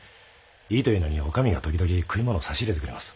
いいと言うのに女将が時々食い物を差し入れてくれます。